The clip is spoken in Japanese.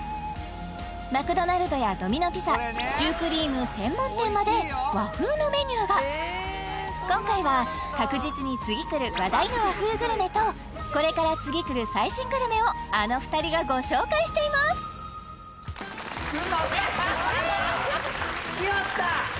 マクドナルドやドミノ・ピザシュークリーム専門店まで和風のメニューが今回は確実に次くる話題の和風グルメとこれから次くる最新グルメをあの２人がご紹介しちゃいます来よった！